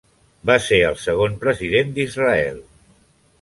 Va ser el segon President d'Israel.